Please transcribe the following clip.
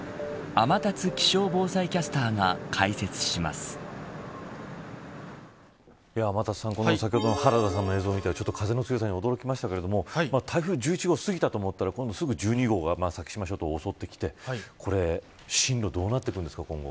天達気象防災キャスターが解説し天達さん、先ほどの原田さんの映像を見て風の強さに驚きましたけども台風１１号、過ぎたと思ったら１２号が先島諸島を襲ってきて進路は今後どうなっていくんですか。